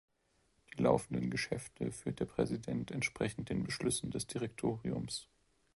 Die laufenden Geschäfte führt der Präsident entsprechend den Beschlüssen des Direktoriums.